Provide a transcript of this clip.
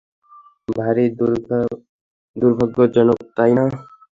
ভারি দুর্ভাগ্যজনক, তাই না?